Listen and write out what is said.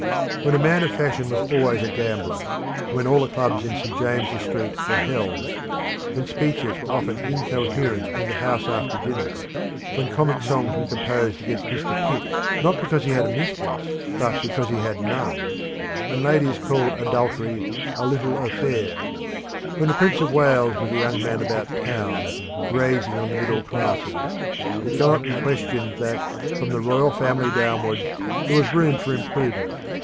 When a man of fashion was always a gambler, and when all the clubs in St. James' Street were hells; when speeches were often incoherent in the House after dinner; when comic songs were composed against Mr. Pitt, not because he had a mistress, but because he had none; when ladies called adultery "a little affair"; when the Prince of Wales was a young man about town, grazing on the middle classes, it cannot be questioned that, from the Royal Family downwards, there was room for improvement.